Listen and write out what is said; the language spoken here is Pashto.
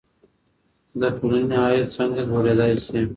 د ټولني عاید څنګه لوړېدای سي؟